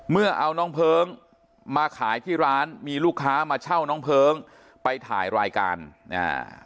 เมื่อเอาน้องเพลิงมาขายที่ร้านมีลูกค้ามาเช่าน้องเพลิงไปถ่ายรายการอ่า